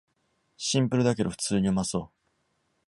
シンプルだけど普通にうまそう